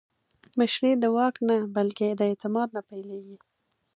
مشري د واک نه، بلکې د اعتماد نه پیلېږي